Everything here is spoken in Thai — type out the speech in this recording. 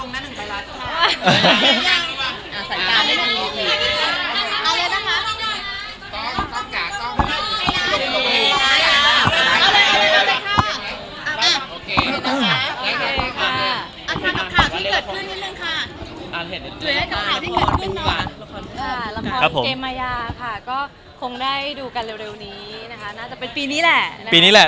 มาอย่างบ้าง